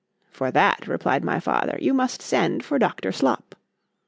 ——For that, replied my father, you must send for Dr. _Slop.